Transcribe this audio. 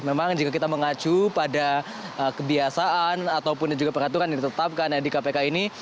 memang jika kita mengacu pada kebiasaan ataupun juga peraturan yang ditetapkan di kpk ini